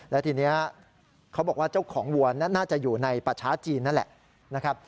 และทีนี้เขาบอกว่าเจ้าของวัวน่าจะอยู่ในป่าช้าจีนนั่นแหละนะครับ